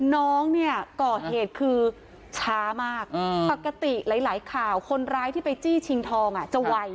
น้องเนี่ยก่อเหตุคือช้ามากปกติหลายข่าวคนร้ายที่ไปจี้ชิงทองจะไว